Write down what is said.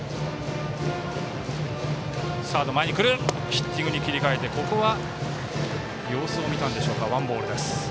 ヒッティングに切り替えてここは様子を見たんでしょうか。